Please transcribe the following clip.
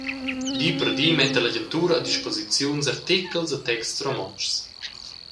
Di per di metta la agentura a disposiziun artechels e texts romontschs.